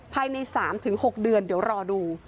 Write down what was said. ภายใน๓๖เดือนเดี๋ยวรอดู